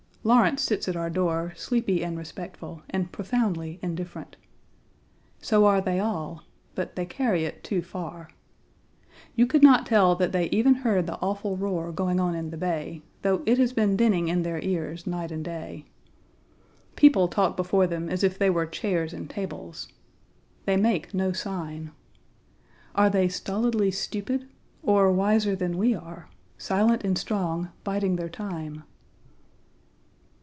Lawrence sits at our door, sleepy and respectful, and profoundly indifferent. So are they all, but they carry it too far. You could not tell that they even heard the awful roar going on in the bay, though it has been dinning in their ears night and day. People talk before them as if they were chairs and tables. They make no sign. Are they stolidly stupid? or wiser than we are; silent and strong, biding their time?